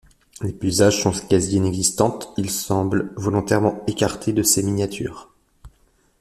Les paysages sont quasi inexistants, ils semblent volontairement écartés de ses miniatures.